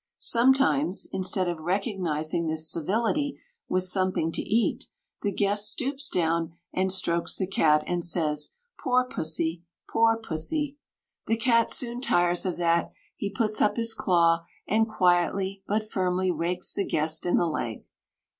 Sometimes, instead of recognizing this civility with something to eat, the guest stoops down and strokes the cat, and says, "Poor pussy! poor pussy!" The cat soon tires of that; he puts up his claw and quietly but firmly rakes the guest in the leg.